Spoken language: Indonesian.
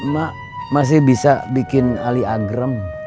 mak masih bisa bikin aliagrem